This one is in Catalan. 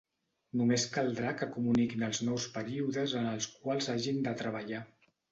Només caldrà que comuniquin els nous períodes en els quals hagin de treballar.